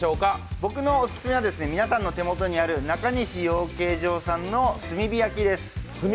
僕のオススメは皆さんのお手元にあるなかにし養鶏場の炭火焼きです。